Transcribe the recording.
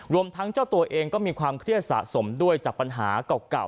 รวมทั้งเจ้าตัวเองก็มีความเครียดสะสมด้วยจากปัญหาเก่า